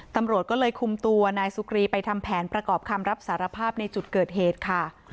ตำรวจก็เลยคุมตัวนายสุกรีไปทำแผนประกอบคำรับสารภาพในจุดเกิดเหตุค่ะ